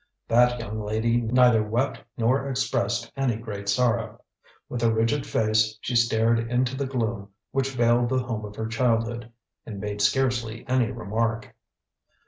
That young lady neither wept nor expressed any great sorrow. With a rigid face she stared into the gloom which veiled the home of her childhood, and made scarcely any remark.